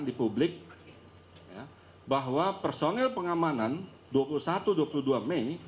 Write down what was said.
di publik bahwa personil pengamanan dua puluh satu dua puluh dua mei